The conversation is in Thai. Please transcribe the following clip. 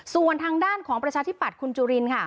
ส่วนทางด้านของประชาธิปัตย์คุณจุลินค่ะ